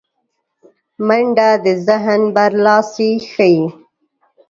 منډه د ذهن برلاسی ښيي